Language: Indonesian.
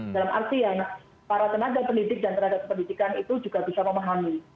dalam artian para tenaga pendidik dan tenaga pendidikan itu juga bisa memahami